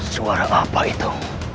suara apa itu